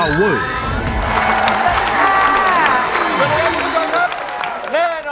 วันนี้ครับคุณผู้ชมครับ